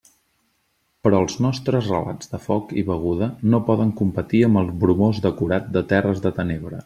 Però els nostres relats de foc i beguda no poden competir amb el bromós decorat de terres de tenebra.